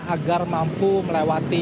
agar mampu melewati